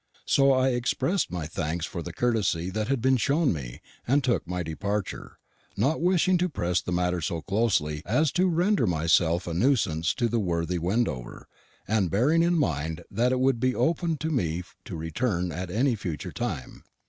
So I expressed my thanks for the courtesy that had been shown me, and took my departure, not wishing to press the matter so closely as to render myself a nuisance to the worthy Wendover, and bearing in mind that it would be open to me to return at any future time.